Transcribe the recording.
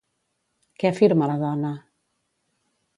Què afirma la dona?